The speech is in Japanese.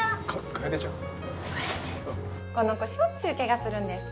この子しょっちゅう怪我するんです。